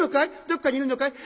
どっかにいるのかい？